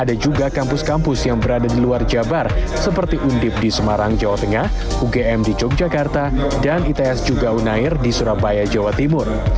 ada juga kampus kampus yang berada di luar jabar seperti undip di semarang jawa tengah ugm di yogyakarta dan its juga unair di surabaya jawa timur